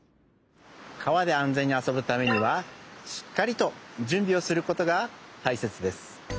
川で安全にあそぶためにはしっかりとじゅんびをすることがたいせつです。